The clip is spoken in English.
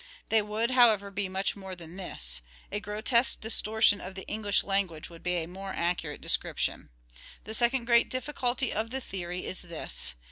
They would, however, be much more than this : a grotesque distortion of the English language would be a more accurate description. The second great difficulty of the theory is this.